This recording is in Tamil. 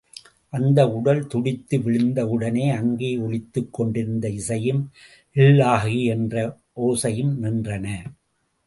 அந்த உடல் துடித்து விழுந்த உடனே அங்கு ஒலித்துக் கொண்டிருந்த இசையும் இல்லாஹி என்ற ஓசையும் நின்றன.